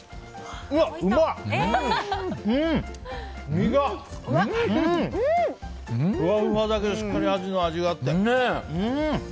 ふわふわだけどしっかり味があって。